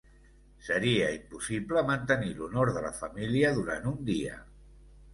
Seria impossible mantenir l'honor de la família durant un dia.